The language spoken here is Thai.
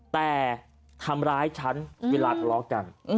แต่ทำร้ายฉันเวลาทะเลาะกัน